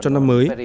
cho năm mới